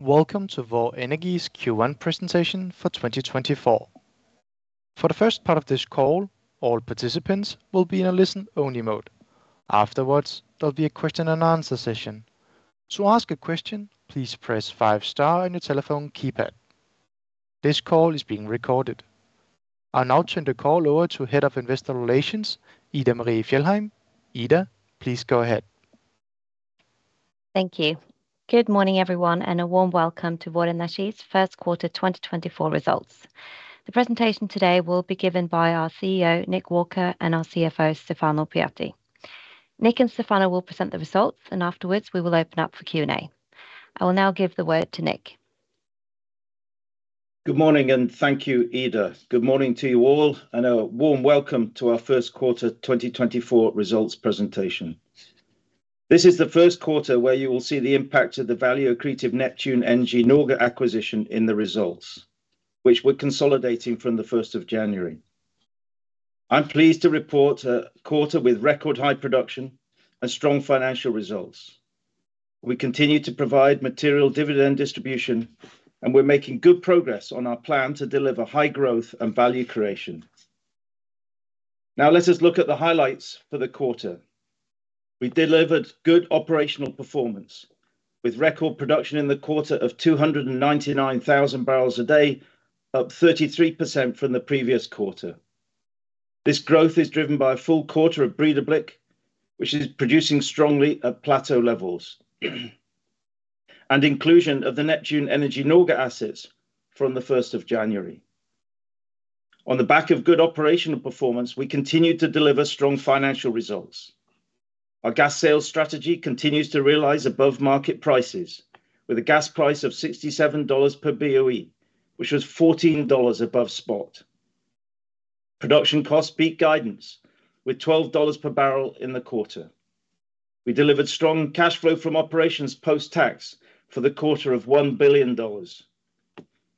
Welcome to Vår Energi's Q1 Presentation For 2024. For the first part of this call, all participants will be in a listen-only mode. Afterwards, there'll be a question-and-answer session. To ask a question, please press five-star on your telephone keypad. This call is being recorded. I'll now turn the call over to Head of Investor Relations, Ida Marie Fjellheim. Ida, please go ahead. Thank you. Good morning, everyone, and a warm welcome to Vår Energi's First Quarter 2024 Results. The presentation today will be given by our CEO, Nick Walker, and our CFO, Stefano Pujatti. Nick and Stefano will present the results, and afterwards we will open up for Q&A. I will now give the word to Nick. Good morning, and thank you, Ida. Good morning to you all, and a warm welcome to our first quarter 2024 results presentation. This is the first quarter where you will see the impact of the value-creating Neptune Energy Norge acquisition in the results, which we're consolidating from the 1st of January. I'm pleased to report a quarter with record high production and strong financial results. We continue to provide material dividend distribution, and we're making good progress on our plan to deliver high growth and value creation. Now let us look at the highlights for the quarter. We delivered good operational performance, with record production in the quarter of 299,000 barrels a day, up 33% from the previous quarter. This growth is driven by a full quarter of Breidablikk, which is producing strongly at plateau levels, and inclusion of the Neptune Energy Norge assets from the 1st of January. On the back of good operational performance, we continue to deliver strong financial results. Our gas sales strategy continues to realize above-market prices, with a gas price of $67 per BOE, which was $14 above spot. Production costs beat guidance, with $12 per barrel in the quarter. We delivered strong cash flow from operations post-tax for the quarter of $1 billion,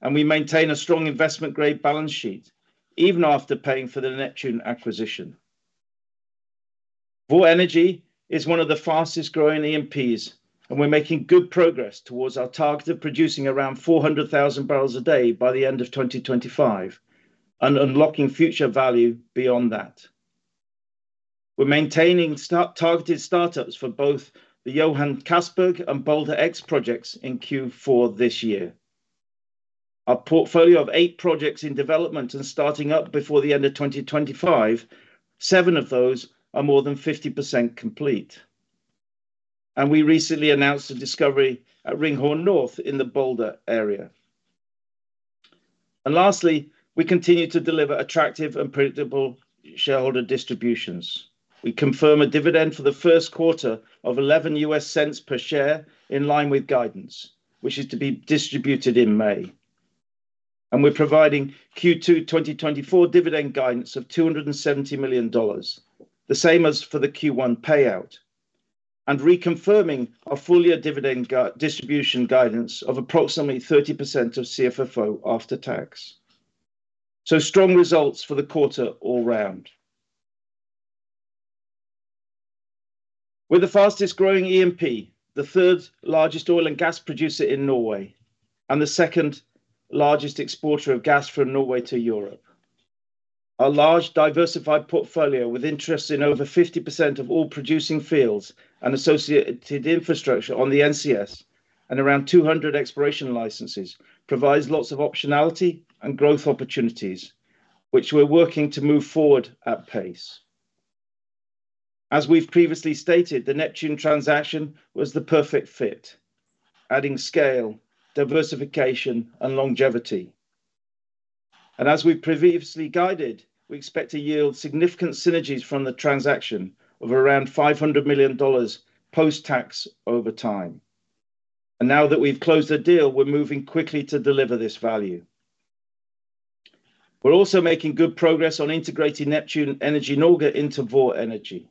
and we maintain a strong investment-grade balance sheet even after paying for the Neptune acquisition. Vår Energi is one of the fastest-growing E&Ps, and we're making good progress towards our target of producing around 400,000 barrels a day by the end of 2025, and unlocking future value beyond that. We're maintaining targeted startups for both the Johan Castberg and Balder X projects in Q4 this year. Our portfolio of eight projects in development and starting up before the end of 2025, seven of those are more than 50% complete, and we recently announced a discovery at Ringhorne North in the Balder area. Lastly, we continue to deliver attractive and predictable shareholder distributions. We confirm a dividend for the first quarter of $0.11 per share in line with guidance, which is to be distributed in May. We're providing Q2 2024 dividend guidance of $270 million, the same as for the Q1 payout, and reconfirming our full-year dividend distribution guidance of approximately 30% of CFFO after tax. So, strong results for the quarter all round. We're the fastest-growing E&P, the third-largest oil and gas producer in Norway, and the second-largest exporter of gas from Norway to Europe. Our large, diversified portfolio with interests in over 50% of all producing fields and associated infrastructure on the NCS and around 200 exploration licenses provides lots of optionality and growth opportunities, which we're working to move forward at pace. As we've previously stated, the Neptune transaction was the perfect fit, adding scale, diversification, and longevity. As we've previously guided, we expect to yield significant synergies from the transaction of around $500 million post-tax over time. Now that we've closed the deal, we're moving quickly to deliver this value. We're also making good progress on integrating Neptune Energy Norge into Vår Energi.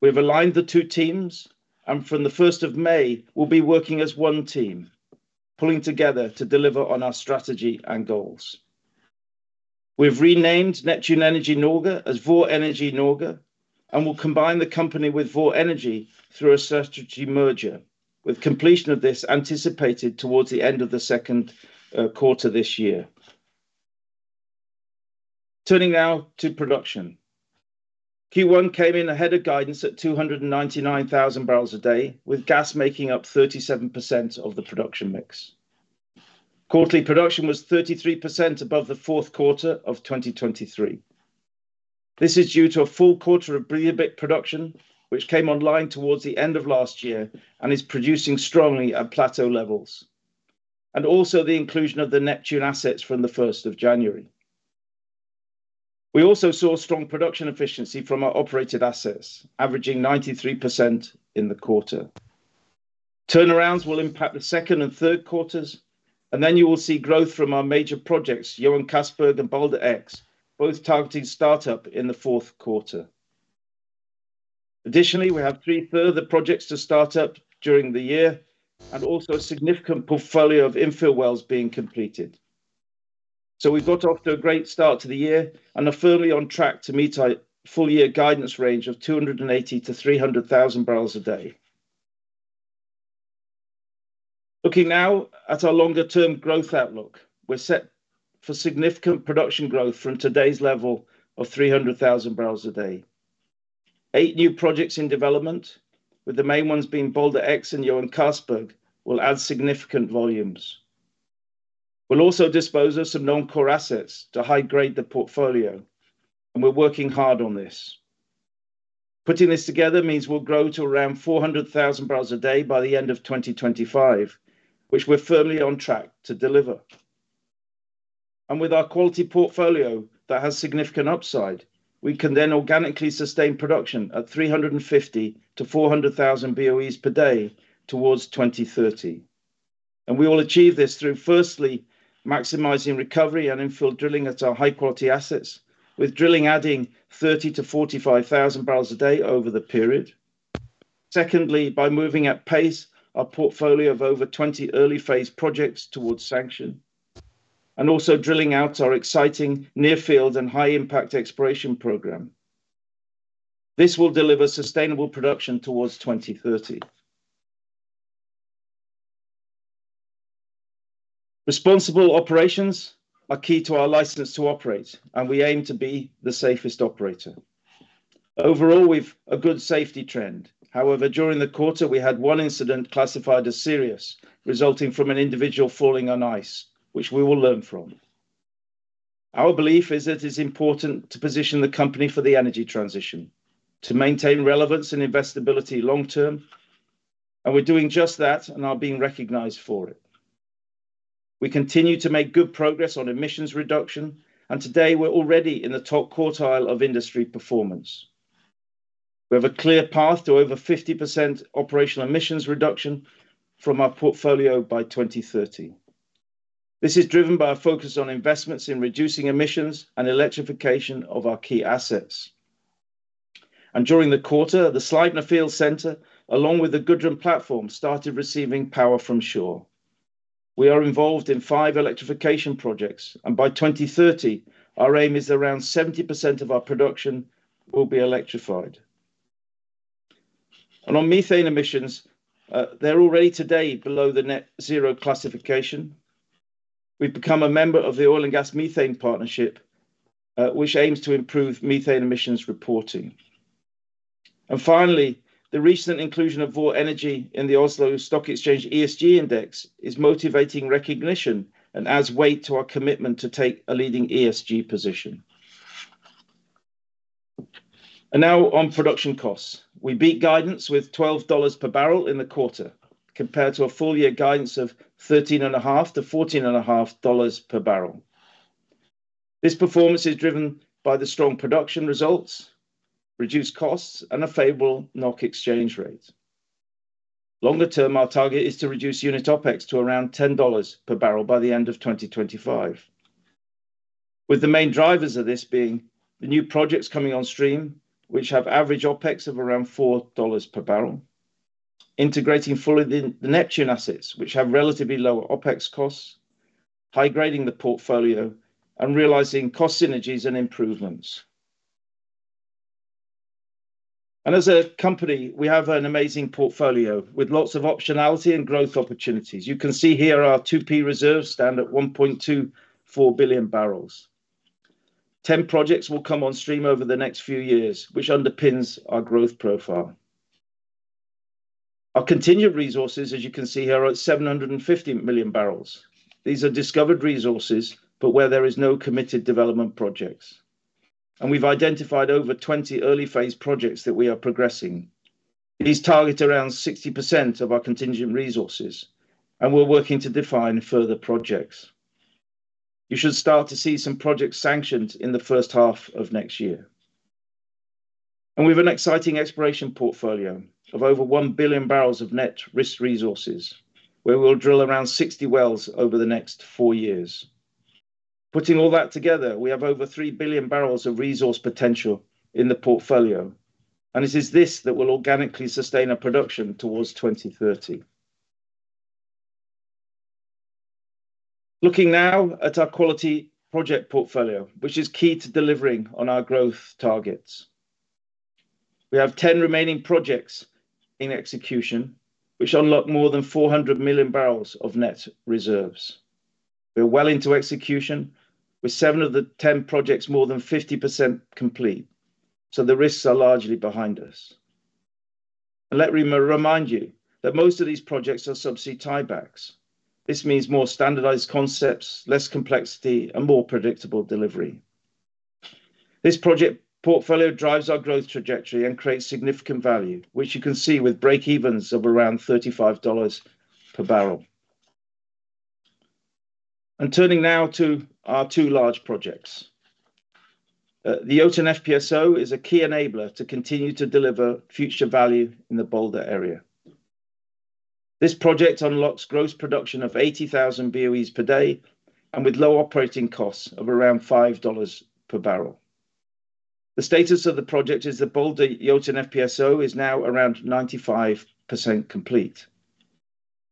We've aligned the two teams, and from the first of May we'll be working as one team, pulling together to deliver on our strategy and goals. We've renamed Neptune Energy Norge as Vår Energi Norge, and we'll combine the company with Vår Energi through a statutory merger, with completion of this anticipated towards the end of the second quarter this year. Turning now to production. Q1 came in ahead of guidance at 299,000 barrels a day, with gas making up 37% of the production mix. Quarterly production was 33% above the fourth quarter of 2023. This is due to a full quarter of Breidablikk production, which came online towards the end of last year and is producing strongly at plateau levels, and also the inclusion of the Neptune assets from the 1st of January. We also saw strong production efficiency from our operated assets, averaging 93% in the quarter. Turnarounds will impact the second and third quarters, and then you will see growth from our major projects, Johan Castberg and Balder X, both targeting startup in the fourth quarter. Additionally, we have three further projects to start up during the year and also a significant portfolio of infill wells being completed. So we've got off to a great start to the year and are firmly on track to meet our full-year guidance range of 280,000-300,000 barrels a day. Looking now at our longer-term growth outlook, we're set for significant production growth from today's level of 300,000 barrels a day. Eight new projects in development, with the main ones being Balder X and Johan Castberg, will add significant volumes. We'll also dispose of some non-core assets to high-grade the portfolio, and we're working hard on this. Putting this together means we'll grow to around 400,000 barrels a day by the end of 2025, which we're firmly on track to deliver. And with our quality portfolio that has significant upside, we can then organically sustain production at 350,000-400,000 BOEs per day towards 2030. And we will achieve this through, firstly, maximizing recovery and infill drilling at our high-quality assets, with drilling adding 30,000-45,000 barrels a day over the period. Secondly, by moving at pace our portfolio of over 20 early-phase projects towards sanction, and also drilling out our exciting near-field and high-impact exploration program. This will deliver sustainable production towards 2030. Responsible operations are key to our license to operate, and we aim to be the safest operator. Overall, we've a good safety trend. However, during the quarter we had one incident classified as serious, resulting from an individual falling on ice, which we will learn from. Our belief is that it is important to position the company for the energy transition, to maintain relevance and investability long-term, and we're doing just that and are being recognized for it. We continue to make good progress on emissions reduction, and today we're already in the top quartile of industry performance. We have a clear path to over 50% operational emissions reduction from our portfolio by 2030. This is driven by our focus on investments in reducing emissions and electrification of our key assets. During the quarter, the Sleipner Field Centre, along with the Gudrun platform, started receiving power from shore. We are involved in five electrification projects, and by 2030 our aim is around 70% of our production will be electrified. On methane emissions, they're already today below the net-zero classification. We've become a member of the Oil and Gas Methane Partnership, which aims to improve methane emissions reporting. And finally, the recent inclusion of Vår Energi in the Oslo Stock Exchange ESG Index is motivating recognition and adds weight to our commitment to take a leading ESG position. And now on production costs. We beat guidance with $12 per barrel in the quarter, compared to a full-year guidance of $13.50-$14.50 per barrel. This performance is driven by the strong production results, reduced costs, and a favorable NOK exchange rate. Longer-term our target is to reduce unit OPEX to around $10 per barrel by the end of 2025, with the main drivers of this being the new projects coming on stream, which have average OPEX of around $4 per barrel, integrating fully the Neptune assets, which have relatively lower OPEX costs, high-grading the portfolio, and realizing cost synergies and improvements. As a company, we have an amazing portfolio with lots of optionality and growth opportunities. You can see here our 2P reserves stand at 1.24 billion barrels. 10 projects will come on stream over the next few years, which underpins our growth profile. Our contingent resources, as you can see here, are at 750 million barrels. These are discovered resources, but where there are no committed development projects. We've identified over 20 early-phase projects that we are progressing. These target around 60% of our contingent resources, and we're working to define further projects. You should start to see some projects sanctioned in the first half of next year. We have an exciting exploration portfolio of over 1 billion barrels of net risk resources, where we will drill around 60 wells over the next four years. Putting all that together, we have over 3 billion barrels of resource potential in the portfolio, and it is this that will organically sustain our production towards 2030. Looking now at our quality project portfolio, which is key to delivering on our growth targets. We have 10 remaining projects in execution, which unlock more than 400 million barrels of net reserves. We're well into execution, with seven of the 10 projects more than 50% complete, so the risks are largely behind us. And let me remind you that most of these projects are subsea tie-backs. This means more standardized concepts, less complexity, and more predictable delivery. This project portfolio drives our growth trajectory and creates significant value, which you can see with breakevens of around $35 per barrel. And turning now to our two large projects. The Jotun FPSO is a key enabler to continue to deliver future value in the Balder area. This project unlocks gross production of 80,000 BOEs per day, and with low operating costs of around $5 per barrel. The status of the project is the Balder Jotun FPSO is now around 95% complete.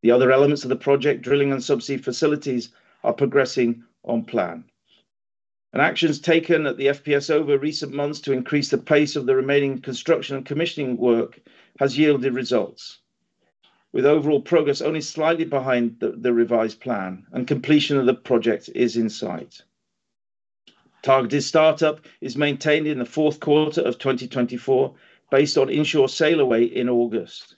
The other elements of the project, drilling and subsea facilities, are progressing on plan. Actions taken at the FPSO over recent months to increase the pace of the remaining construction and commissioning work have yielded results, with overall progress only slightly behind the revised plan, and completion of the project is in sight. Targeted startup is maintained in the fourth quarter of 2024 based on onshore sailaway in August.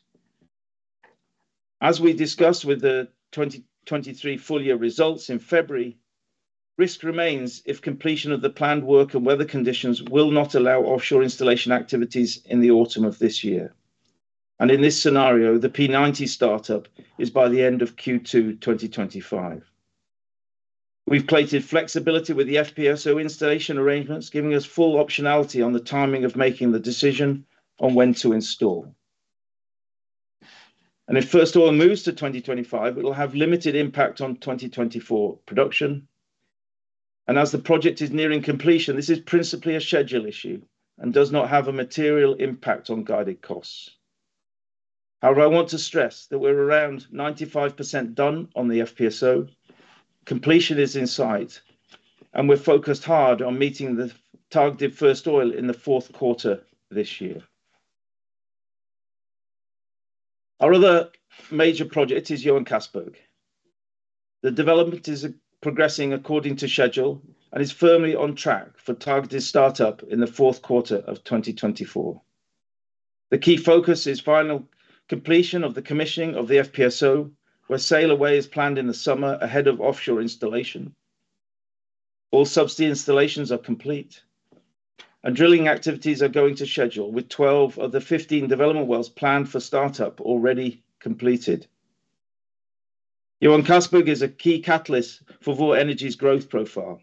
As we discussed with the 2023 full-year results in February, risk remains if completion of the planned work and weather conditions will not allow offshore installation activities in the autumn of this year. In this scenario, the P90 startup is by the end of Q2 2025. We've built flexibility with the FPSO installation arrangements, giving us full optionality on the timing of making the decision on when to install. If first oil moves to 2025, it will have limited impact on 2024 production. As the project is nearing completion, this is principally a schedule issue and does not have a material impact on guided costs. However, I want to stress that we're around 95% done on the FPSO. Completion is in sight, and we're focused hard on meeting the targeted first oil in the fourth quarter this year. Our other major project is Johan Castberg. The development is progressing according to schedule and is firmly on track for targeted startup in the fourth quarter of 2024. The key focus is final completion of the commissioning of the FPSO, where sailaway is planned in the summer ahead of offshore installation. All subsea installations are complete, and drilling activities are going to schedule, with 12 of the 15 development wells planned for startup already completed. Johan Castberg is a key catalyst for Vår Energi's growth profile,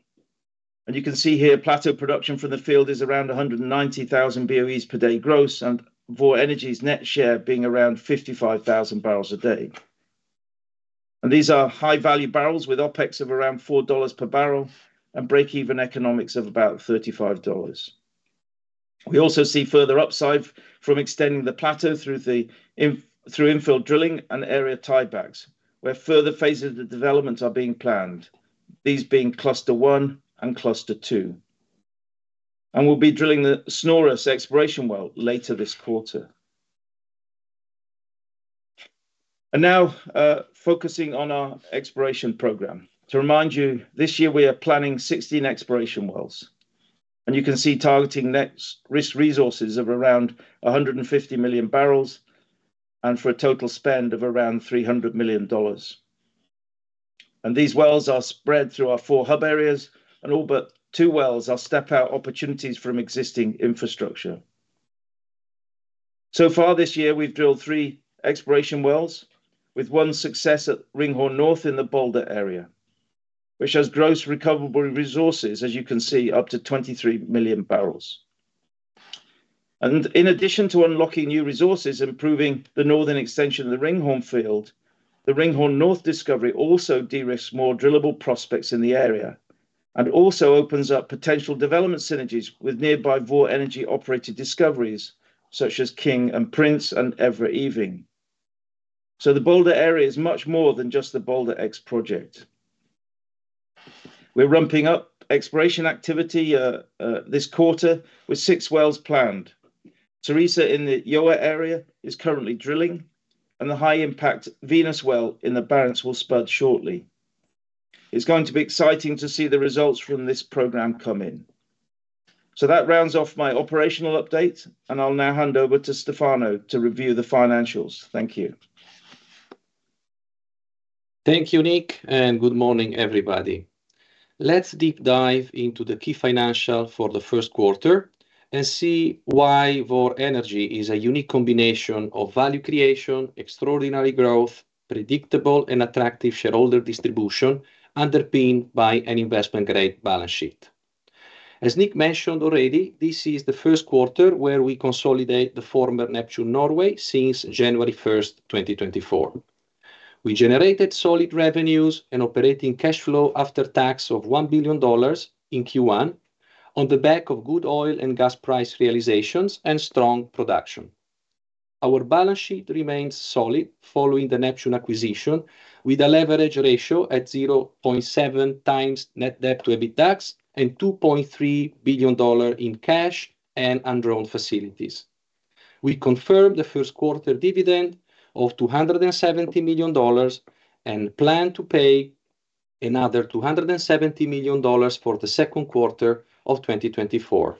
and you can see here plateau production from the field is around 190,000 BOEs per day gross, and Vår Energi's net share being around 55,000 barrels a day. These are high-value barrels with OpEx of around $4 per barrel and break-even economics of about $35. We also see further upside from extending the plateau through infill drilling and area tie-backs, where further phases of development are being planned, these being cluster one and cluster two. We'll be drilling the Snøras exploration well later this quarter. Now focusing on our exploration program. To remind you, this year we are planning 16 exploration wells, and you can see targeting net risk resources of around 150 million barrels and for a total spend of around $300 million. These wells are spread through our four hub areas, and all but two wells are step-out opportunities from existing infrastructure. So far this year we've drilled three exploration wells, with one success at Ringhorne North in the Balder area, which has gross recoverable resources, as you can see, up to 23 million barrels. And in addition to unlocking new resources, improving the northern extension of the Ringhorne field, the Ringhorne North discovery also de-risks more drillable prospects in the area and also opens up potential development synergies with nearby Vår Energi-operated discoveries such as King and Prince and Iving. So the Balder area is much more than just the Balder X project. We're ramping up exploration activity this quarter with six wells planned. Cerisa in the Gjøa area is currently drilling, and the high-impact Venus well in the Barents Sea will spud shortly.It's going to be exciting to see the results from this program come in. So that rounds off my operational update, and I'll now hand over to Stefano to review the financials. Thank you. Thank you, Nick, and good morning, everybody. Let's deep dive into the key financials for the first quarter and see why Vår Energi is a unique combination of value creation, extraordinary growth, predictable and attractive shareholder distribution underpinned by an investment-grade balance sheet. As Nick mentioned already, this is the first quarter where we consolidate the former Neptune Norway since January 1st, 2024. We generated solid revenues and operating cash flow after tax of $1 billion in Q1 on the back of good oil and gas price realizations and strong production. Our balance sheet remains solid following the Neptune acquisition, with a leverage ratio at 0.7x net debt to EBITDA and $2.3 billion in cash and undrawn facilities. We confirmed the first quarter dividend of $270 million and plan to pay another $270 million for the second quarter of 2024.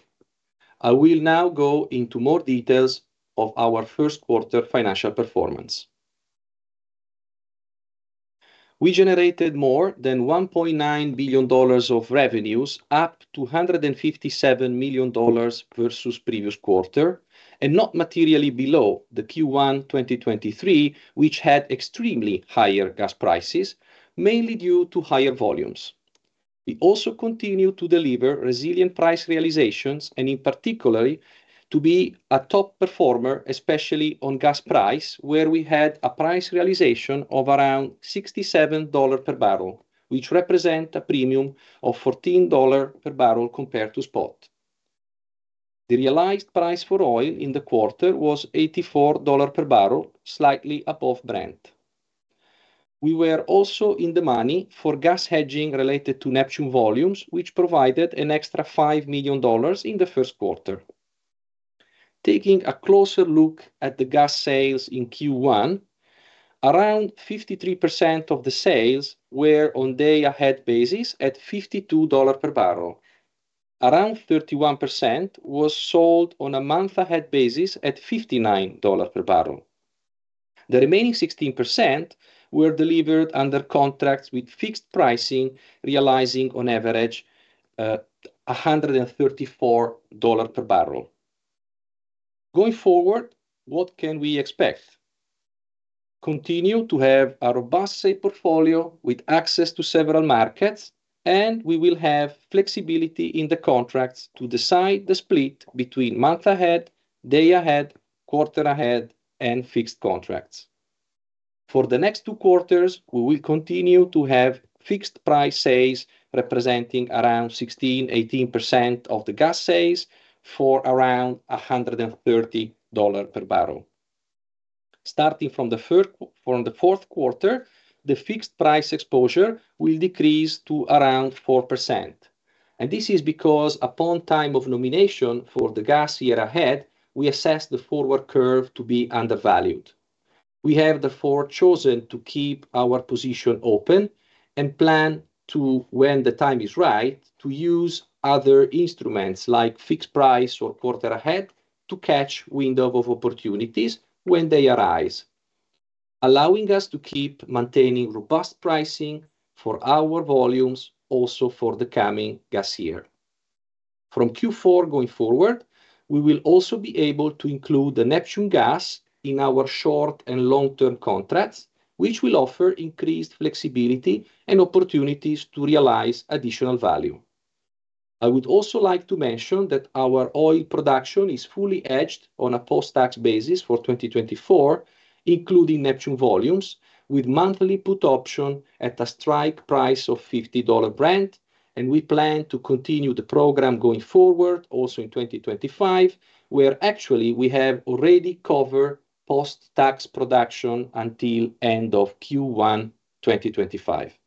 I will now go into more details of our first quarter financial performance. We generated more than $1.9 billion of revenues, up $257 million versus previous quarter, and not materially below the Q1 2023, which had extremely higher gas prices, mainly due to higher volumes. We also continue to deliver resilient price realizations and, in particular, to be a top performer, especially on gas price, where we had a price realization of around $67 per barrel, which represents a premium of $14 per barrel compared to spot. The realized price for oil in the quarter was $84 per barrel, slightly above Brent. We were also in the money for gas hedging related to Neptune volumes, which provided an extra $5 million in the first quarter. Taking a closer look at the gas sales in Q1, around 53% of the sales were on day-ahead basis at $52 per barrel. Around 31% was sold on a month-ahead basis at $59 per barrel. The remaining 16% were delivered under contracts with fixed pricing, realizing on average $134 per barrel. Going forward, what can we expect? Continue to have a robust safe portfolio with access to several markets, and we will have flexibility in the contracts to decide the split between month-ahead, day-ahead, quarter-ahead, and fixed contracts. For the next two quarters, we will continue to have fixed price sales representing around 16%-18% of the gas sales for around $130 per barrel. Starting from the fourth quarter, the fixed price exposure will decrease to around 4%. And this is because, upon time of nomination for the gas year ahead, we assess the forward curve to be undervalued. We have, therefore, chosen to keep our position open and plan to, when the time is right, use other instruments like fixed price or quarter-ahead to catch windows of opportunities when they arise, allowing us to keep maintaining robust pricing for our volumes, also for the coming gas year. From Q4 going forward, we will also be able to include the Neptune gas in our short and long-term contracts, which will offer increased flexibility and opportunities to realize additional value. I would also like to mention that our oil production is fully hedged on a post-tax basis for 2024, including Neptune volumes, with monthly put option at a strike price of $50 Brent, and we plan to continue the program going forward, also in 2025, where actually we have already covered post-tax production until end of Q1 2025.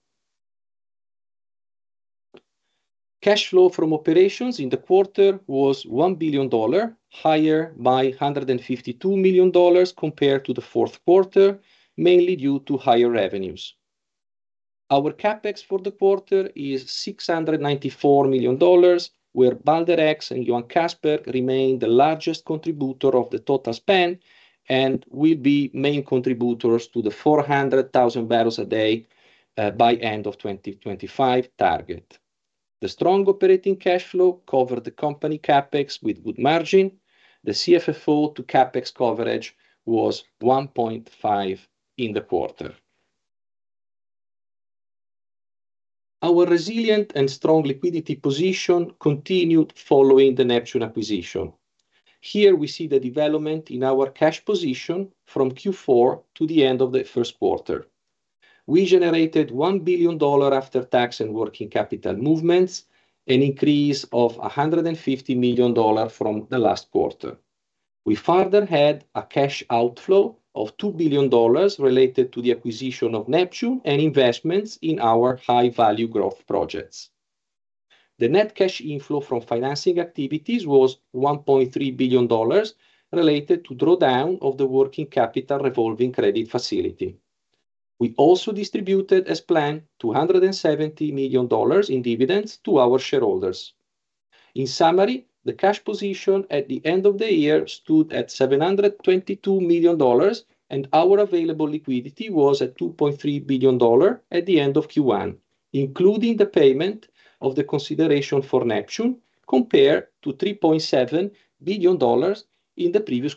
Cash flow from operations in the quarter was $1 billion, higher by $152 million compared to the fourth quarter, mainly due to higher revenues. Our CapEx for the quarter is $694 million, where Balder X and Johan Castberg remain the largest contributor of the total spend and will be main contributors to the 400,000 barrels a day by end of 2025 target. The strong operating cash flow covered the company CapEx with good margin. The CFFO to CapEx coverage was 1.5 in the quarter. Our resilient and strong liquidity position continued following the Neptune acquisition. Here we see the development in our cash position from Q4 to the end of the first quarter. We generated $1 billion after tax and working capital movements, an increase of $150 million from the last quarter. We further had a cash outflow of $2 billion related to the acquisition of Neptune and investments in our high-value growth projects. The net cash inflow from financing activities was $1.3 billion related to drawdown of the working capital revolving credit facility. We also distributed, as planned, $270 million in dividends to our shareholders. In summary, the cash position at the end of the year stood at $722 million, and our available liquidity was at $2.3 billion at the end of Q1, including the payment of the consideration for Neptune compared to $3.7 billion in the previous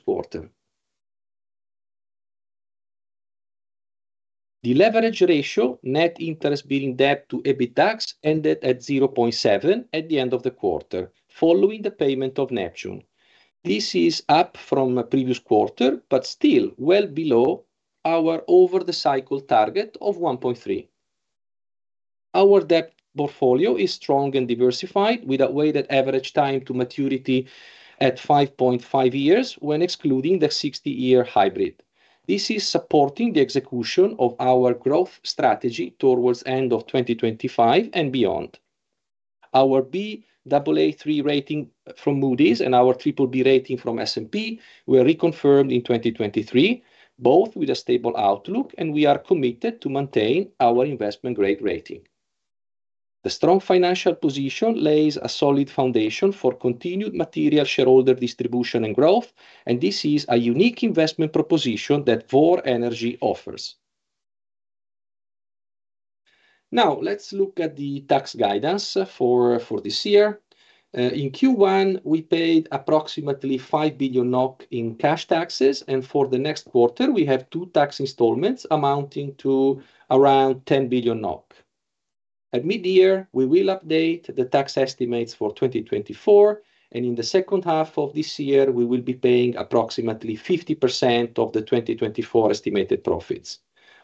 quarter. The leverage ratio, net interest-bearing debt to EBITDAX, ended at 0.7 at the end of the quarter following the payment of Neptune. This is up from previous quarter, but still well below our over-the-cycle target of 1.3. Our debt portfolio is strong and diversified with a weighted average time to maturity at 5.5 years when excluding the 60-year hybrid. This is supporting the execution of our growth strategy towards end of 2025 and beyond. Our Baa3 rating from Moody's and our BBB rating from S&P were reconfirmed in 2023, both with a stable outlook, and we are committed to maintain our investment-grade rating. The strong financial position lays a solid foundation for continued material shareholder distribution and growth, and this is a unique investment proposition that Vår Energi offers. Now let's look at the tax guidance for this year. In Q1, we paid approximately 5 billion NOK in cash taxes, and for the next quarter, we have two tax installments amounting to around 10 billion NOK. At mid-year, we will update the tax estimates for 2024, and in the second half of this year, we will be paying approximately 50% of the 2024 estimated profits.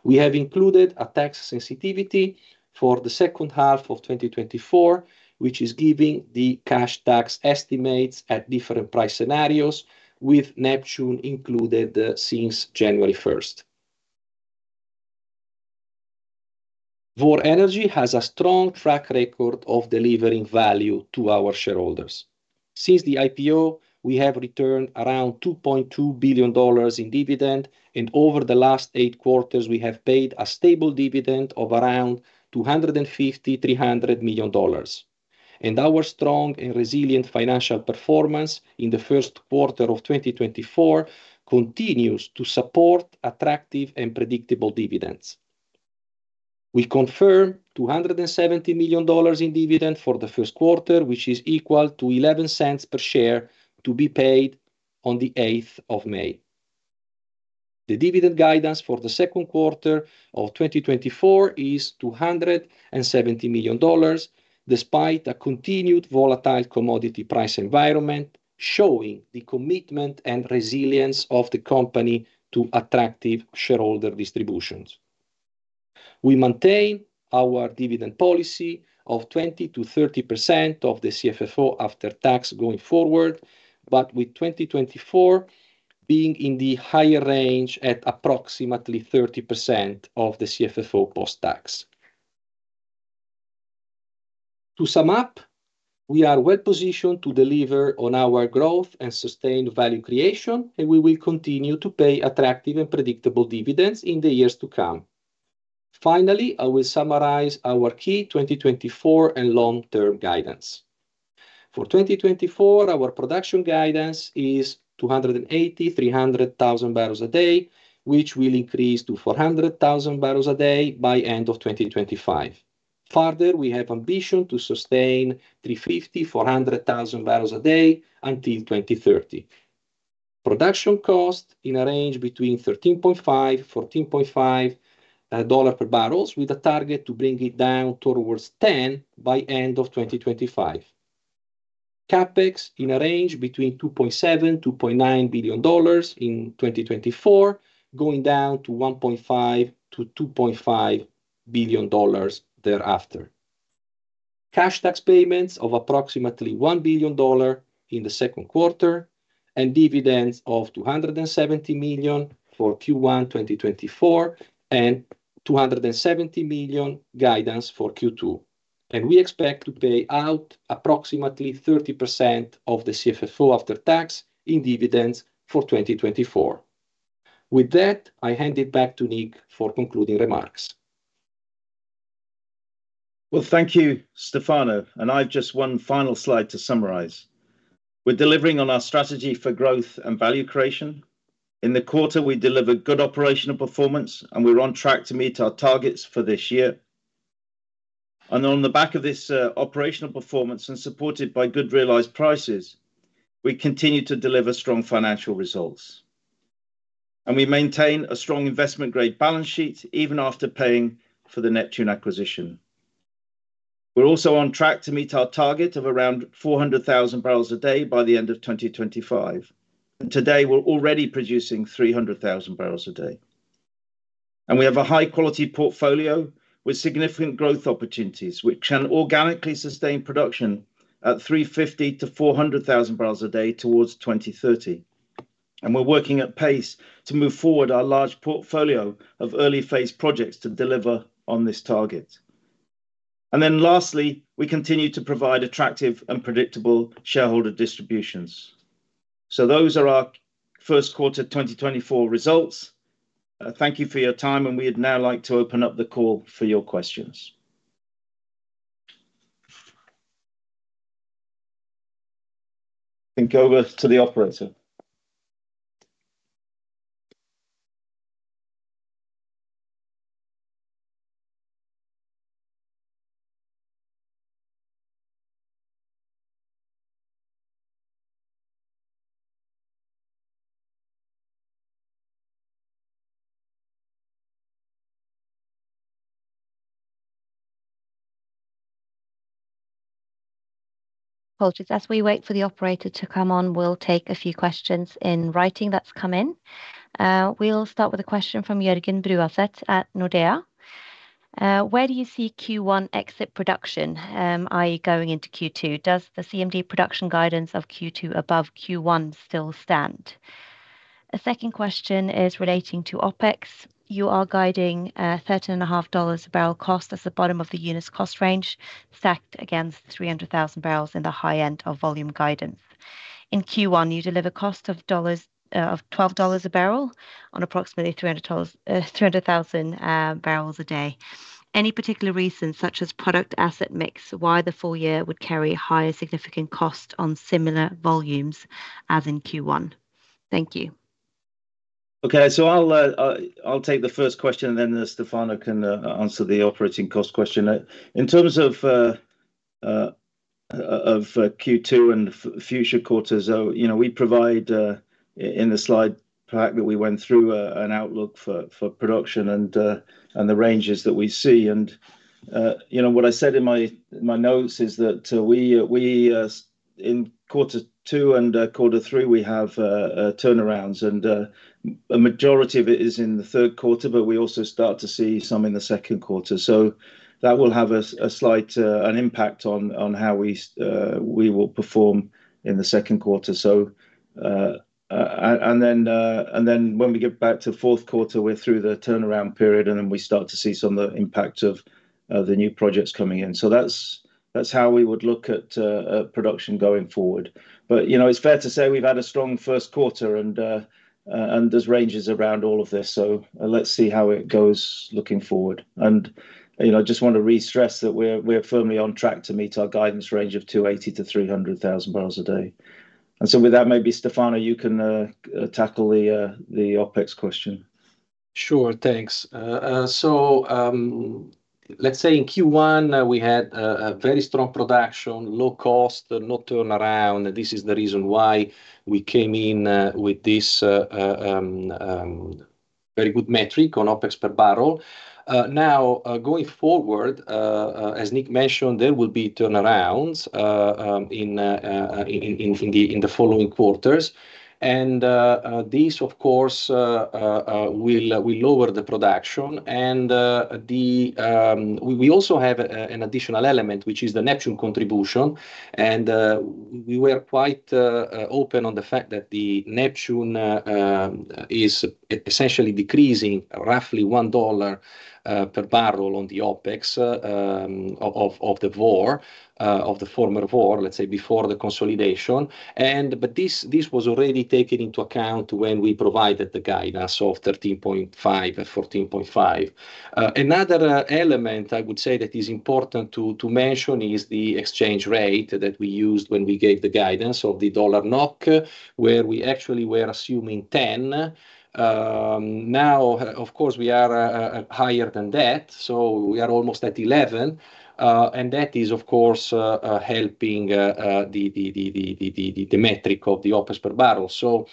We have included a tax sensitivity for the second half of 2024, which is giving the cash tax estimates at different price scenarios, with Neptune included since January 1st. Vår Energi has a strong track record of delivering value to our shareholders. Since the IPO, we have returned around $2.2 billion in dividend, and over the last eight quarters, we have paid a stable dividend of around $250 million-$300 million. Our strong and resilient financial performance in the first quarter of 2024 continues to support attractive and predictable dividends. We confirm $270 million in dividend for the first quarter, which is equal to $0.11 per share to be paid on the 8th of May. The dividend guidance for the second quarter of 2024 is $270 million, despite a continued volatile commodity price environment showing the commitment and resilience of the company to attractive shareholder distributions. We maintain our dividend policy of 20%-30% of the CFFO after tax going forward, but with 2024 being in the higher range at approximately 30% of the CFFO post-tax. To sum up, we are well positioned to deliver on our growth and sustained value creation, and we will continue to pay attractive and predictable dividends in the years to come. Finally, I will summarize our key 2024 and long-term guidance. For 2024, our production guidance is 280,000-300,000 barrels a day, which will increase to 400,000 barrels a day by end of 2025.Further, we have ambition to sustain 350,000-400,000 barrels a day until 2030. Production cost in a range between $13.5-$14.5 per barrel, with a target to bring it down towards $10 by end of 2025. Capex in a range between $2.7 billion-$2.9 billion in 2024, going down to $1.5 billion-$2.5 billion thereafter. Cash tax payments of approximately $1 billion in the second quarter and dividends of $270 million for Q1 2024 and $270 million guidance for Q2. We expect to pay out approximately 30% of the CFFO after tax in dividends for 2024. With that, I hand it back to Nick for concluding remarks. Well, thank you, Stefano, and I've just one final slide to summarize. We're delivering on our strategy for growth and value creation. In the quarter, we delivered good operational performance, and we're on track to meet our targets for this year. On the back of this operational performance and supported by good realized prices, we continue to deliver strong financial results. We maintain a strong investment-grade balance sheet even after paying for the Neptune acquisition. We're also on track to meet our target of around 400,000 barrels a day by the end of 2025. Today, we're already producing 300,000 barrels a day. We have a high-quality portfolio with significant growth opportunities, which can organically sustain production at 350,000-400,000 barrels a day towards 2030. We're working at pace to move forward our large portfolio of early-phase projects to deliver on this target. Then lastly, we continue to provide attractive and predictable shareholder distributions. Those are our first quarter 2024 results. Thank you for your time, and we would now like to open up the call for your questions. I think over to the operator. Apologies, as we wait for the operator to come on, we'll take a few questions in writing that's come in. We'll start with a question from Jørgen Bruaset at Nordea. Where do you see Q1 exit production, i.e., going into Q2? Does the CMD production guidance of Q2 above Q1 still stand? A second question is relating to OpEx. You are guiding $13.5 a barrel cost as the bottom of the unit's cost range, stacked against 300,000 barrels in the high end of volume guidance. In Q1, you deliver cost of $12 a barrel on approximately 300,000 barrels a day. Any particular reason, such as product-asset mix, why the full year would carry higher significant cost on similar volumes as in Q1? Thank you. Okay, so I'll take the first question, and then Stefano can answer the operating cost question.In terms of Q2 and future quarters, we provide in the slide pack that we went through an outlook for production and the ranges that we see. What I said in my notes is that in quarter two and quarter three, we have turnarounds, and a majority of it is in the third quarter, but we also start to see some in the second quarter. That will have an impact on how we will perform in the second quarter. Then when we get back to fourth quarter, we're through the turnaround period, and then we start to see some of the impact of the new projects coming in. That's how we would look at production going forward. But it's fair to say we've had a strong first quarter, and there's ranges around all of this, so let's see how it goes looking forward.I just want to restress that we're firmly on track to meet our guidance range of 280,000-300,000 barrels a day. So with that, maybe Stefano, you can tackle the OpEx question. Sure, thanks. So let's say in Q1, we had a very strong production, low cost, no turnaround. This is the reason why we came in with this very good metric on OpEx per barrel. Now, going forward, as Nick mentioned, there will be turnarounds in the following quarters. And this, of course, will lower the production. And we also have an additional element, which is the Neptune contribution. And we were quite open on the fact that the Neptune is essentially decreasing roughly $1 per barrel on the OpEx of the former Vår, let's say, before the consolidation. But this was already taken into account when we provided the guidance of $13.5-$14.5.Another element I would say that is important to mention is the exchange rate that we used when we gave the guidance of the dollar NOK, where we actually were assuming 10. Now, of course, we are higher than that, so we are almost at 11. And that is, of course, helping the metric of the OpEx per barrel. So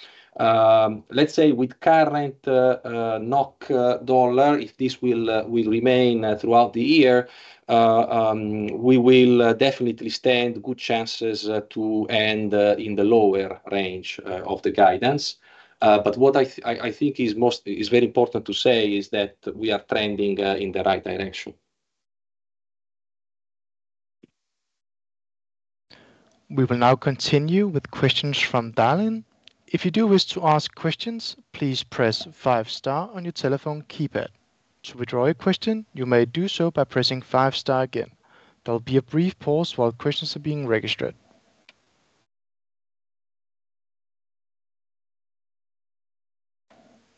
let's say with current NOK dollar, if this will remain throughout the year, we will definitely stand good chances to end in the lower range of the guidance. But what I think is very important to say is that we are trending in the right direction. We will now continue with questions from Darling. If you do wish to ask questions, please press five-star on your telephone keypad. To withdraw a question, you may do so by pressing five-star again. There will be a brief pause while questions are being registered.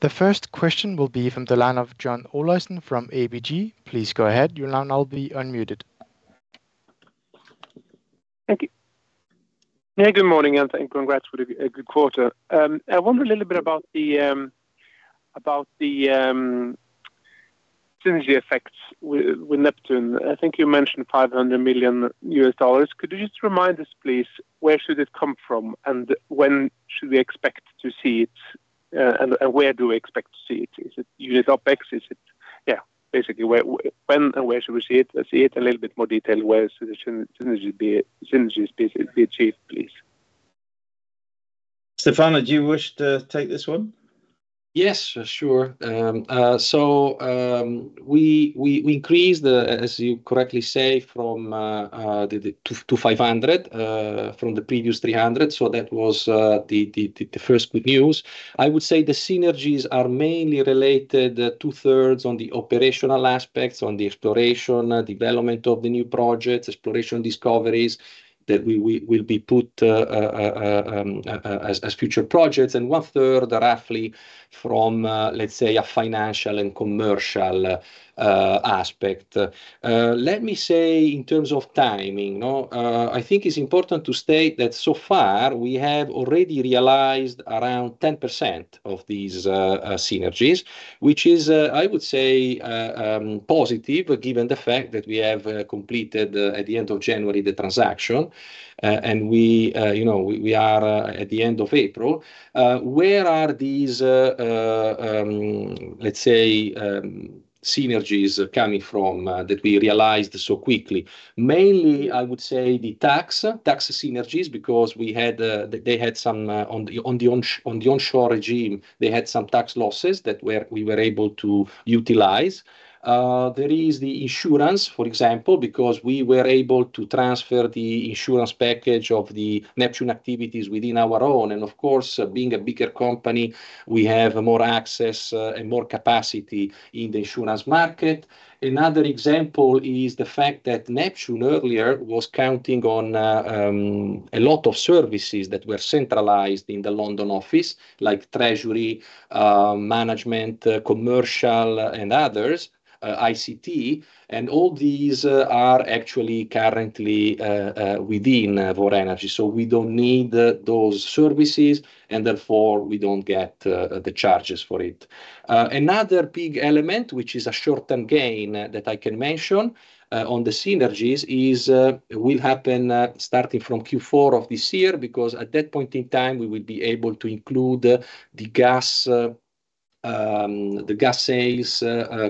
The first question will be from the line of John Olaisen from ABG. Please go ahead. You'll now be unmuted. Thank you. Yeah, good morning, and congrats with a good quarter. I wonder a little bit about the synergy effects with Neptune. I think you mentioned $500 million. Could you just remind us, please, where should it come from, and when should we expect to see it, and where do we expect to see it? Is it unit OPEX? Yeah, basically, when and where should we see it? A little bit more detail, where should synergies be achieved, please? Stefano, do you wish to take this one? Yes, sure. So we increased, as you correctly say, from the 2,500 from the previous 300, so that was the first good news.I would say the synergies are mainly related two-thirds on the operational aspects, on the exploration, development of the new projects, exploration discoveries that will be put as future projects, and one-third roughly from, let's say, a financial and commercial aspect. Let me say, in terms of timing, I think it's important to state that so far, we have already realized around 10% of these synergies, which is, I would say, positive given the fact that we have completed, at the end of January, the transaction, and we are at the end of April. Where are these, let's say, synergies coming from that we realized so quickly? Mainly, I would say the tax synergies because they had some on the onshore regime, they had some tax losses that we were able to utilize. There is the insurance, for example, because we were able to transfer the insurance package of the Neptune activities within our own. Of course, being a bigger company, we have more access and more capacity in the insurance market. Another example is the fact that Neptune earlier was counting on a lot of services that were centralized in the London office, like treasury, management, commercial, and others, ICT. All these are actually currently within Vår Energi, so we don't need those services, and therefore, we don't get the charges for it. Another big element, which is a short-term gain that I can mention on the synergies, will happen starting from Q4 of this year because at that point in time, we will be able to include the gas sales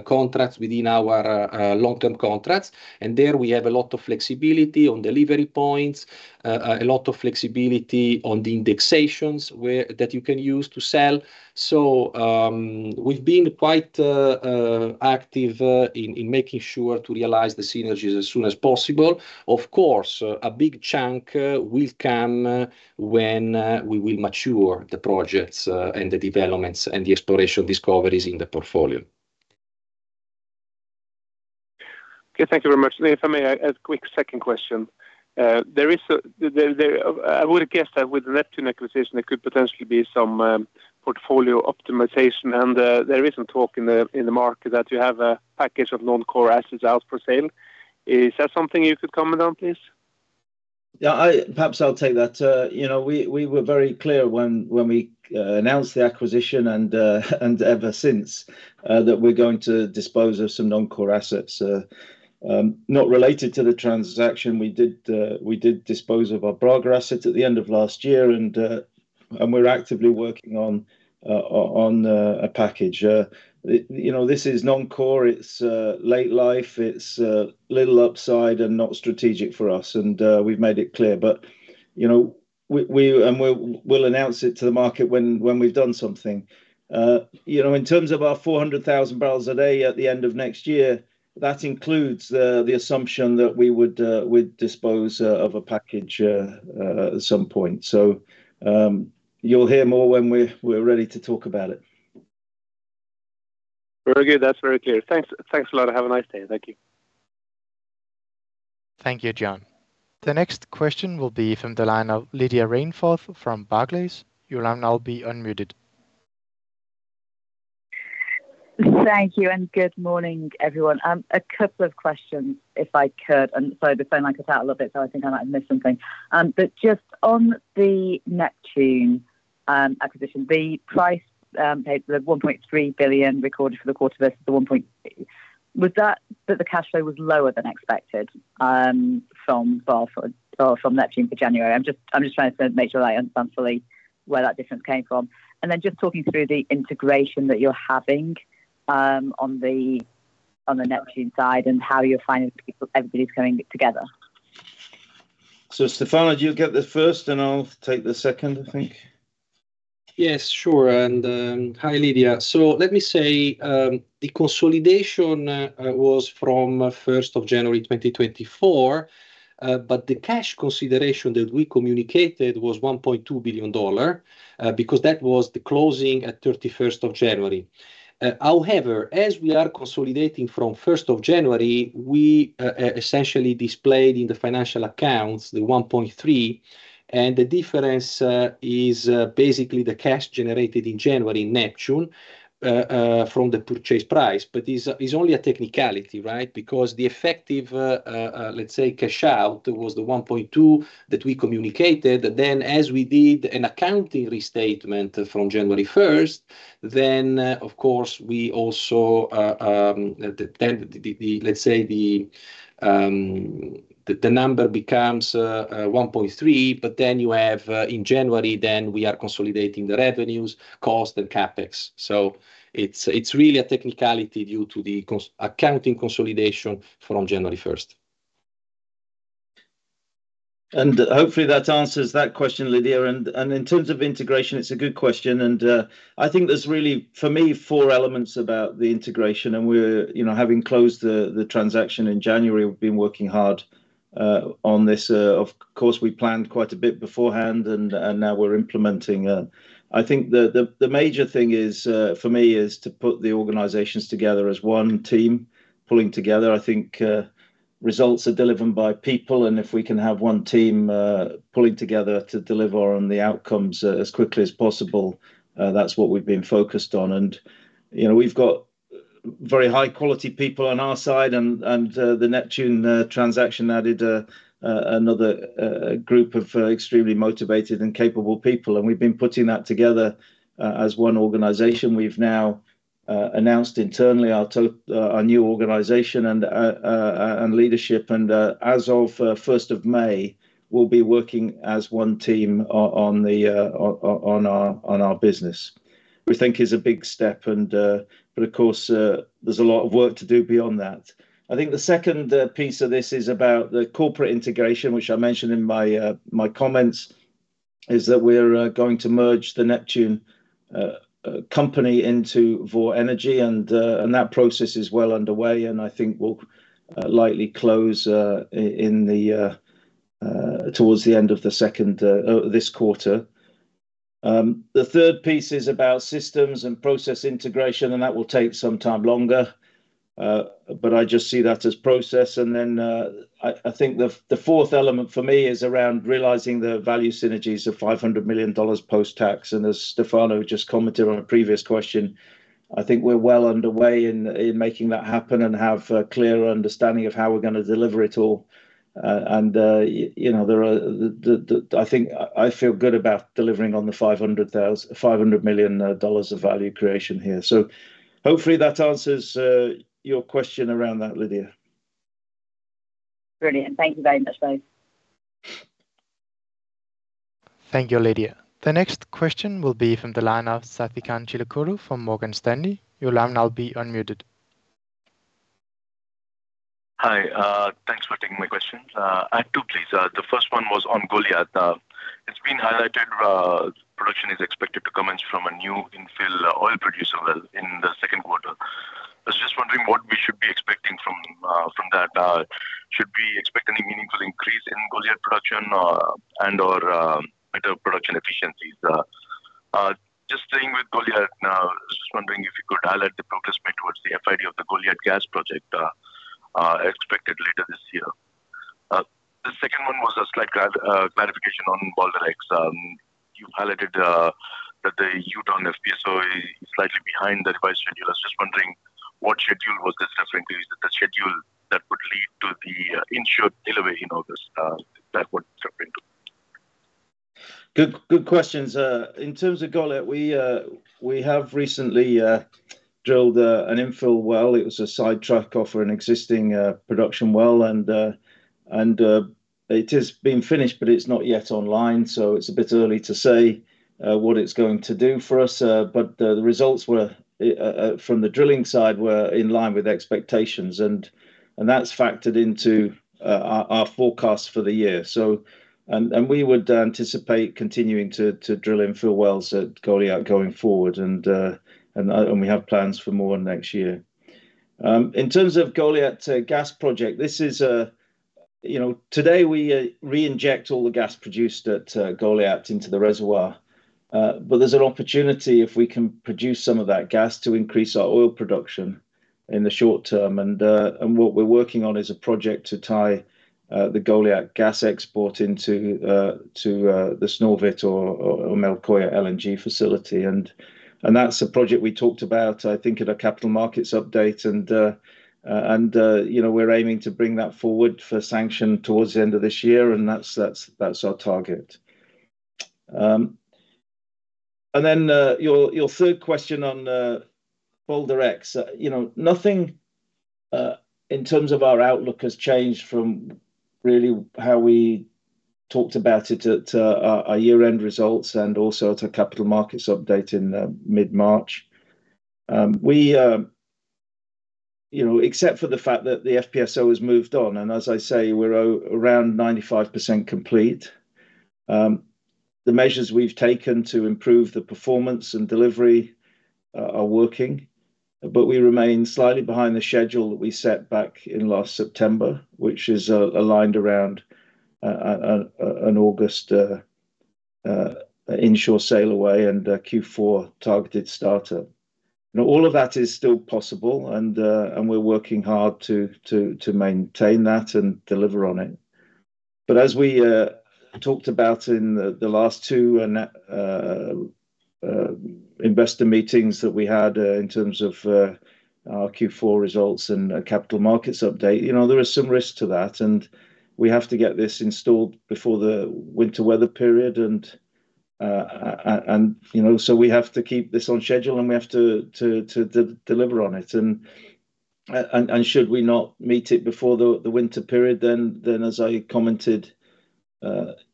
contracts within our long-term contracts. And there, we have a lot of flexibility on delivery points, a lot of flexibility on the indexations that you can use to sell. So we've been quite active in making sure to realize the synergies as soon as possible. Of course, a big chunk will come when we will mature the projects and the developments and the exploration discoveries in the portfolio. Okay, thank you very much. If I may, a quick second question. I would have guessed that with the Neptune acquisition, there could potentially be some portfolio optimization, and there isn't talk in the market that you have a package of non-core assets out for sale. Is that something you could comment on, please? Yeah, perhaps I'll take that. We were very clear when we announced the acquisition, and ever since, that we're going to dispose of some non-core assets. Not related to the transaction, we did dispose of our broader assets at the end of last year, and we're actively working on a package. This is non-core, it's late life, it's little upside and not strategic for us, and we've made it clear. But we'll announce it to the market when we've done something. In terms of our 400,000 barrels a day at the end of next year, that includes the assumption that we would dispose of a package at some point. So you'll hear more when we're ready to talk about it. Very good. That's very clear. Thanks a lot. Have a nice day. Thank you. Thank you, John. The next question will be from the line of Lydia Rainforth from Barclays. You'll now be unmuted. Thank you, and good morning, everyone. A couple of questions, if I could. And sorry, the phone cut out a little bit, so I think I might have missed something. But just on the Neptune acquisition, the purchase price, the $1.3 billion recorded for the quarter versus the $1.3 billion, was that the cash flow was lower than expected from Neptune for January? I'm just trying to make sure that I understand fully where that difference came from. And then just talking through the integration that you're having on the Neptune side and how you're finding everybody's coming together. So Stefano, do you get the first, and I'll take the second, I think? Yes, sure. And hi, Lydia. So let me say the consolidation was from 1st of January, 2024, but the cash consideration that we communicated was $1.2 billion because that was the closing at 31st of January.However, as we are consolidating from 1st of January, we essentially displayed in the financial accounts the $1.3, and the difference is basically the cash generated in January in Neptune from the purchase price. But it's only a technicality, right? Because the effective, let's say, cash out was the $1.2 that we communicated. Then as we did an accounting restatement from January 1st, then, of course, we also then, let's say, the number becomes $1.3, but then you have in January, then we are consolidating the revenues, cost, and Capex. So it's really a technicality due to the accounting consolidation from January 1st. And hopefully, that answers that question, Lydia. And in terms of integration, it's a good question. And I think there's really, for me, four elements about the integration. And having closed the transaction in January, we've been working hard on this. Of course, we planned quite a bit beforehand, and now we're implementing. I think the major thing for me is to put the organizations together as one team pulling together. I think results are delivered by people, and if we can have one team pulling together to deliver on the outcomes as quickly as possible, that's what we've been focused on. We've got very high-quality people on our side, and the Neptune transaction added another group of extremely motivated and capable people. We've been putting that together as one organization. We've now announced internally our new organization and leadership. And as of 1st of May, we'll be working as one team on our business, which I think is a big step. But of course, there's a lot of work to do beyond that.I think the second piece of this is about the corporate integration, which I mentioned in my comments, is that we're going to merge the Neptune Energy into Vår Energi, and that process is well underway, and I think will likely close towards the end of this quarter. The third piece is about systems and process integration, and that will take some time longer, but I just see that as process. And then I think the fourth element for me is around realizing the value synergies of $500 million post-tax. And as Stefano just commented on a previous question, I think we're well underway in making that happen and have a clearer understanding of how we're going to deliver it all. And I think I feel good about delivering on the $500 million of value creation here. So hopefully, that answers your question around that, Lydia. Brilliant.Thank you very much, both. Thank you, Lydia. The next question will be from the line of Sasikanth Chilukuru from Morgan Stanley. You'll now be unmuted. Hi. Thanks for taking my questions. I too, please. The first one was on Goliat. It's been highlighted production is expected to come in from a new infill oil producer well in the second quarter. I was just wondering what we should be expecting from that. Should we expect any meaningful increase in Goliat production and/or better production efficiencies? Just staying with Goliat now, I was just wondering if you could highlight the progress made towards the FID of the Goliat gas project expected later this year. The second one was a slight clarification on Balder X. You've highlighted that the Jotun FPSO is slightly behind the revised schedule. I was just wondering, what schedule was this referring to? Is it the schedule that would lead to the inshore electrification in August? Is that what it's referring to? Good questions. In terms of Goliat, we have recently drilled an infill well. It was a sidetrack off of an existing production well, and it has been finished, but it's not yet online, so it's a bit early to say what it's going to do for us. But the results from the drilling side were in line with expectations, and that's factored into our forecast for the year. And we would anticipate continuing to drill infill wells at Goliat going forward, and we have plans for more next year. In terms of Goliat gas project, today, we reinject all the gas produced at Goliat into the reservoir. But there's an opportunity, if we can produce some of that gas, to increase our oil production in the short term. What we're working on is a project to tie the Goliat gas export into the Snøhvit or Melkøya LNG facility. That's a project we talked about, I think, in a capital markets update, and we're aiming to bring that forward for sanction towards the end of this year, and that's our target. Then your third question on Balder X, nothing in terms of our outlook has changed from really how we talked about it at our year-end results and also at our capital markets update in mid-March. Except for the fact that the FPSO has moved on, and as I say, we're around 95% complete. The measures we've taken to improve the performance and delivery are working, but we remain slightly behind the schedule that we set back in last September, which is aligned around an August onshore sail away and a Q4 targeted start. All of that is still possible, and we're working hard to maintain that and deliver on it. But as we talked about in the last two investor meetings that we had in terms of our Q4 results and capital markets update, there is some risk to that, and we have to get this installed before the winter weather period. And so we have to keep this on schedule, and we have to deliver on it. And should we not meet it before the winter period, then, as I commented, our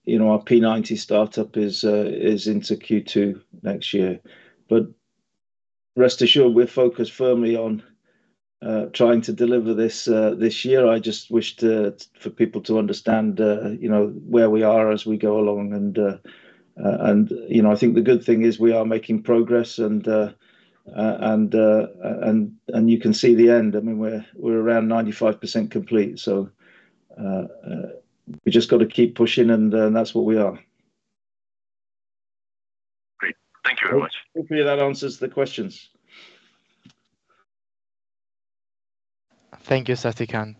P90 startup is into Q2 next year. But rest assured, we're focused firmly on trying to deliver this year. I just wish for people to understand where we are as we go along. And I think the good thing is we are making progress, and you can see the end.I mean, we're around 95% complete, so we've just got to keep pushing, and that's what we are. Great. Thank you very much. Hopefully, that answers the questions. Thank you, Sasikanth.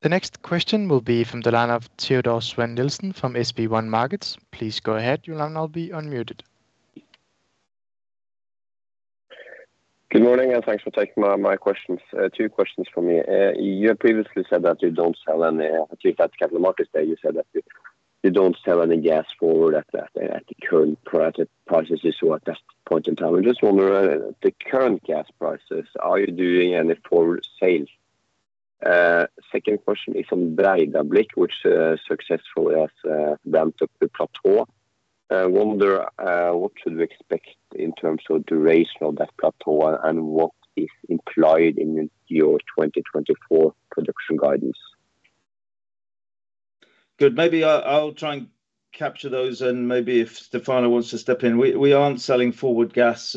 The next question will be from the line of Teodor Sveen-Nilsen from SpareBank 1 Markets. Please go ahead. You'll now be unmuted. Good morning, and thanks for taking my questions. Two questions for me. You have previously said that you don't sell any at the capital markets day. You said that you don't sell any gas forward at the current prices. You saw at that point in time. I just wonder, at the current gas prices, are you doing any forward sales? Second question is on Breidablikk, which successfully has ramped up the plateau. I wonder, what should we expect in terms of the duration of that plateau, and what is implied in your 2024 production guidance? Good.Maybe I'll try and capture those, and maybe if Stefano wants to step in. We aren't selling forward gas.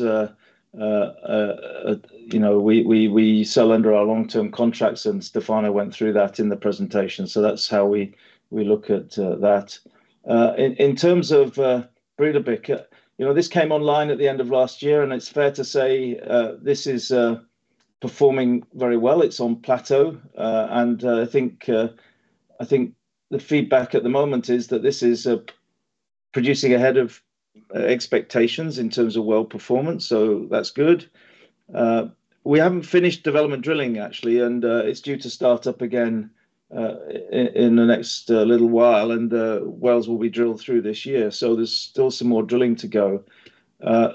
We sell under our long-term contracts, and Stefano went through that in the presentation, so that's how we look at that. In terms of Breidablikk, this came online at the end of last year, and it's fair to say this is performing very well. It's on plateau, and I think the feedback at the moment is that this is producing ahead of expectations in terms of well performance, so that's good. We haven't finished development drilling, actually, and it's due to start up again in the next little while, and wells will be drilled through this year, so there's still some more drilling to go.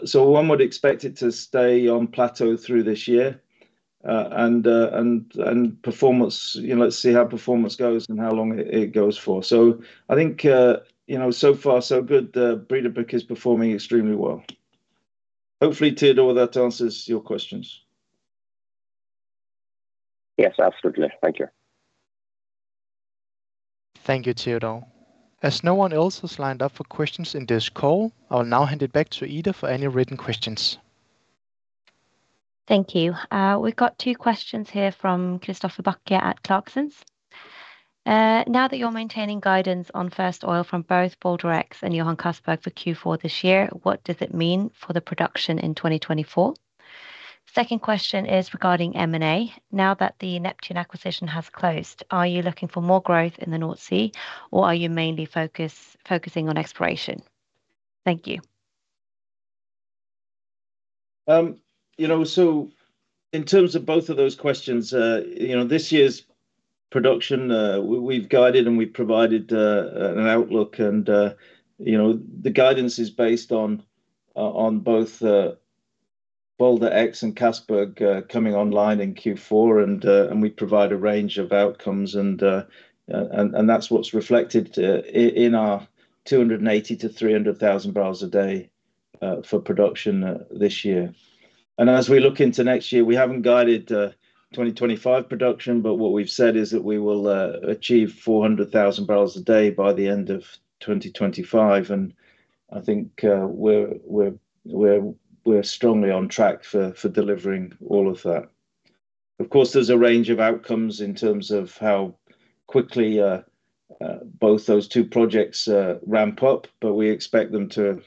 So one would expect it to stay on plateau through this year and performance. Let's see how performance goes and how long it goes for. So I think so far, so good. Breidablikk is performing extremely well. Hopefully, Teodor, that answers your questions. Yes, absolutely. Thank you. Thank you, Teodor. As no one else has lined up for questions in this call, I will now hand it back to Ida for any written questions. Thank you. We've got two questions here from Christoffer Wang Bjørnsen at Clarksons. Now that you're maintaining guidance on first oil from both Balder X and Johan Castberg for Q4 this year, what does it mean for the production in 2024? Second question is regarding M&A. Now that the Neptune acquisition has closed, are you looking for more growth in the North Sea, or are you mainly focusing on exploration? Thank you. So in terms of both of those questions, this year's production, we've guided and we've provided an outlook, and the guidance is based on both Balder X and Johan Castberg coming online in Q4, and we provide a range of outcomes, and that's what's reflected in our 280,000-300,000 barrels a day for production this year. And as we look into next year, we haven't guided 2025 production, but what we've said is that we will achieve 400,000 barrels a day by the end of 2025, and I think we're strongly on track for delivering all of that. Of course, there's a range of outcomes in terms of how quickly both those two projects ramp up, but we expect them to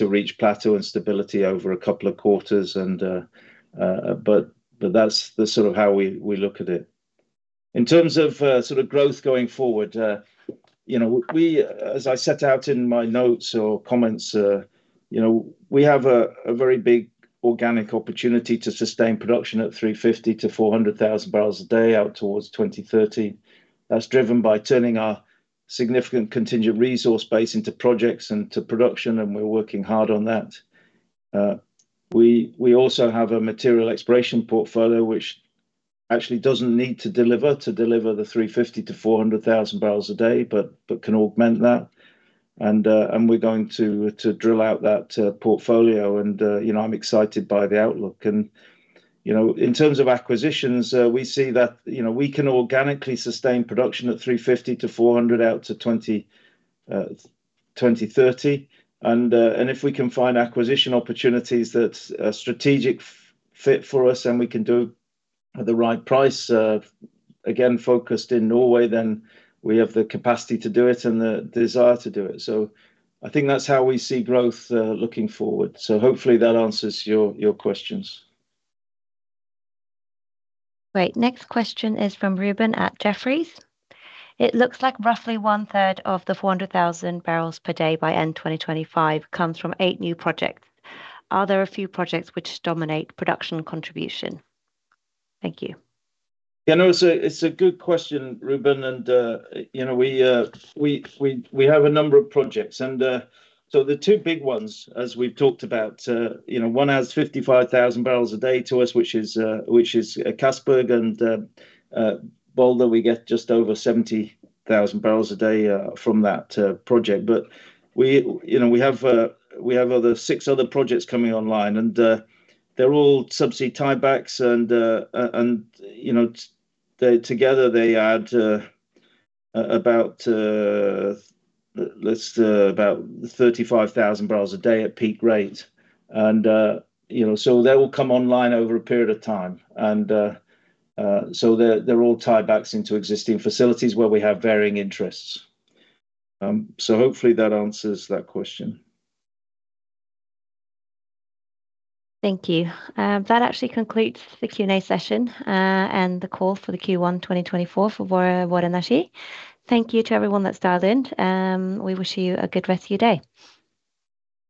reach plateau and stability over a couple of quarters. But that's sort of how we look at it.In terms of sort of growth going forward, as I set out in my notes or comments, we have a very big organic opportunity to sustain production at 350,000-400,000 barrels a day out towards 2030. That's driven by turning our significant contingent resource base into projects and to production, and we're working hard on that. We also have a material exploration portfolio, which actually doesn't need to deliver the 350,000-400,000 barrels a day, but can augment that. We're going to drill out that portfolio, and I'm excited by the outlook. In terms of acquisitions, we see that we can organically sustain production at 350,000-400,000 out to 2030.And if we can find acquisition opportunities that are a strategic fit for us and we can do at the right price, again, focused in Norway, then we have the capacity to do it and the desire to do it. So I think that's how we see growth looking forward. So hopefully, that answers your questions. Great. Next question is from Ruben at Jefferies. It looks like roughly one-third of the 400,000 barrels per day by end 2025 comes from eight new projects. Are there a few projects which dominate production contribution? Thank you. Yeah, no, it's a good question, Ruben. And we have a number of projects. And so the two big ones, as we've talked about, one has 55,000 barrels a day to us, which is Castberg, and Balder, we get just over 70,000 barrels a day from that project. But we have six other projects coming online, and they're all subsea tie-backs, and together, they add about 35,000 barrels a day at peak rate. And so they will come online over a period of time. And so they're all tie-backs into existing facilities where we have varying interests. So hopefully, that answers that question. Thank you. That actually concludes the Q&A session and the call for the Q1 2024 for Vår Energi. Thank you to everyone that's dialed in. We wish you a good rest of your day.